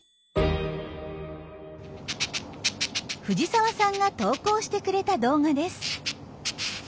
藤澤さんが投稿してくれた動画です。